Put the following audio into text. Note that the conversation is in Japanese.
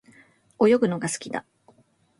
泳ぐのが好きだ。